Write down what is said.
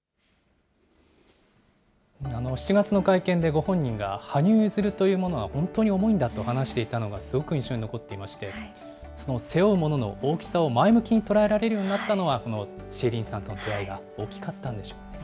ご本人が羽生結弦というものは本当に重いんだと話していたことが、すごく印象に残っていまして、その背負うものの大きさを前向きに捉えられるようになったのはこのシェイリーンさんとの出会いが大きかったんでしょうね。